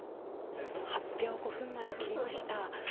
発表５分前を切りました。